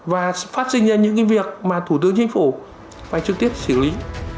và phát sinh ra những việc mà thủ tướng chính phủ phải trực tiếp xử lý